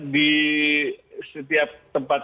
di setiap tempat